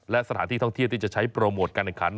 และสถานที่ท่องเที่ยวที่จะใช้โปรโมทการแข่งขัน